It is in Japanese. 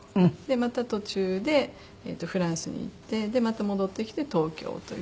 また途中でフランスに行ってまた戻ってきて東京という。